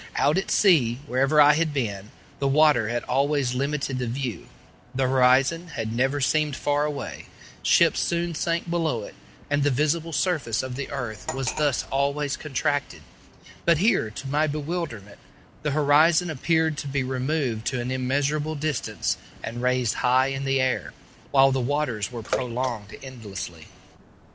Out at sea, wherever I had been, the water had always limited the view; the horizon had never seemed far away; ships soon sank below it, and the visible surface of the earth was thus always contracted; but here, to my bewilderment, the horizon appeared to be removed to an immeasurable distance and raised high in the air, while the waters were prolonged endlessly.